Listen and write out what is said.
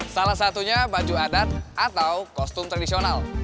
salah satunya baju adat atau kostum tradisional